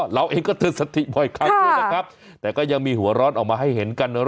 ครับเขาก็บอกเอาไว้ด้วยนะครับว่า